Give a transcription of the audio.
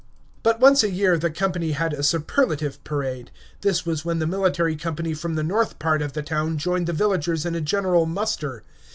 But once a year the company had a superlative parade. This was when the military company from the north part of the town joined the villagers in a general muster.